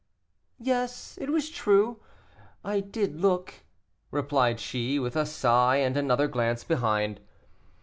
"Yes, it was true, I did look," replied she, with a sigh and another glance behind.